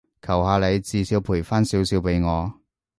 求下你，至少賠返少少畀我